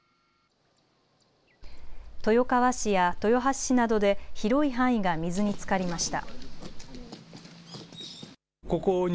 豊川市や豊橋市などで広い範囲が水につかりました。